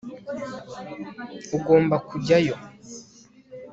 ugomba kujyayo